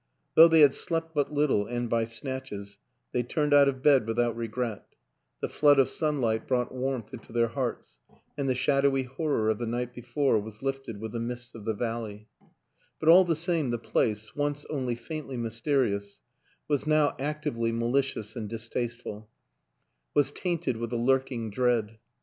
Though they had slept but little, and by snatches, they turned out of bed without regret; the flood of sunlight brought warmth into their hearts and the shadowy horror of the night before was lifted with the mists of the valley; but all the same the place, once only faintly myste rious, was now actively malicious and distasteful, was tainted with a lurking dread.